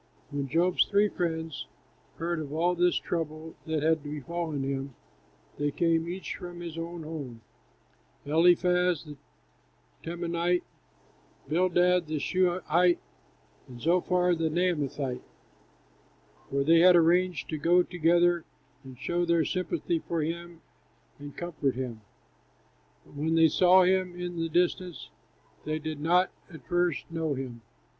When Job's three friends heard of all this trouble that had befallen him, they came each from his own home: Eliphaz the Temanite, Bildad the Shuhite, and Zophar the Naamathite, for they had arranged to go together and show their sympathy for him and comfort him. But when they saw him in the distance, they did not at first know him.